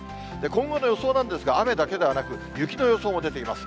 今後の予想なんですが、雨だけではなく、雪の予想も出ています。